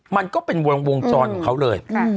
มันก็เป็นวงจรของเขาเลย